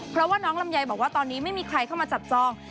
เพราะว่าน้องลำไยบอกว่าตอนนี้ไม่มีใครเข้ามาจับจอง